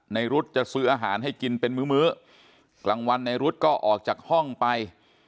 รุ๊ดจะซื้ออาหารให้กินเป็นมื้อมื้อกลางวันในรุ๊ดก็ออกจากห้องไป